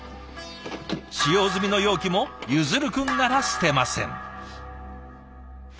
使用済みの容器も結弦くんなら捨てません。